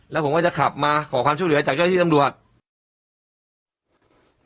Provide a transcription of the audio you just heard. แล้วผมก็จะขับมาขอความช่วยเหลือจากเจ้าที่ตำรวจ